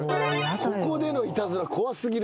ここでのイタズラ怖過ぎるって。